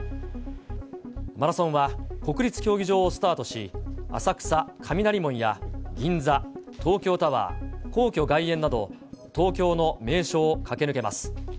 マラソンは国立競技場をスタートし、浅草・雷門や、銀座、東京タワー、皇居外苑など、東京の名所を駆け抜けます。